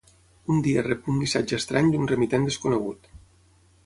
Un dia rep un missatge estrany d'un remitent desconegut.